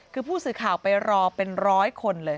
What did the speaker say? คือผู้สื่อข่าวไปรอเป็นร้อยคนเลย